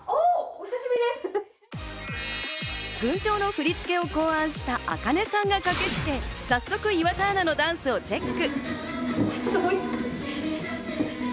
『群青』の振り付けを考案したａｋａｎｅさんが駆けつけ、早速、岩田アナのダンスをチェック。